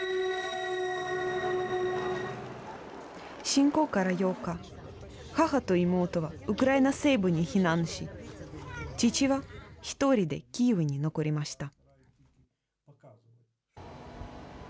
侵攻から８日、母と妹はウクライナ西部に避難し、父は１人でキーウに残りました。